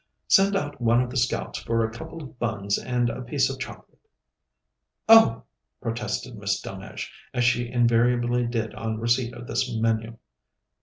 Send out one of the Scouts for a couple of buns and a piece of chocolate." "Oh!" protested Miss Delmege, as she invariably did on receipt of this menu.